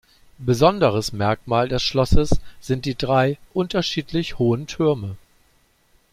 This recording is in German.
Besonderes Merkmal des Schlosses sind die drei unterschiedlich hohen Türme.